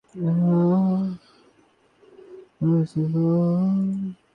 আসামির স্বীকারোক্তির পরও আইনশৃঙ্খলা রক্ষাকারী বাহিনী আজমেরী ওসমানকে গ্রেপ্তার করছে না।